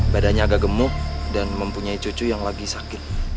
badannya agak gemuk dan mempunyai cucu yang lagi sakit